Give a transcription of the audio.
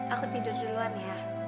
aku tidur duluan ya